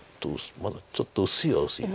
まだちょっと薄いは薄いです。